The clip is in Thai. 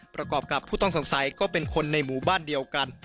ประกอบกับผู้ต้องสงสัยก็เป็นคนในหมู่บ้านเดียวกัน